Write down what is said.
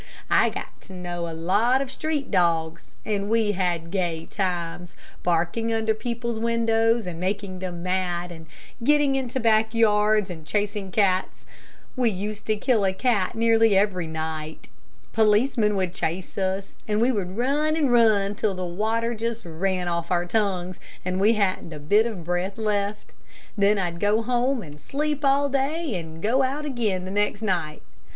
I got to know a lot of street dogs, and we had gay times, barking under people's windows and making them mad, and getting into back yards and chasing cats. We used to kill a cat nearly every night. Policeman would chase us, and we would run and run till the water just ran off our tongues, and we hadn't a bit of breath left. Then I'd go home and sleep all day, and go out again the next night.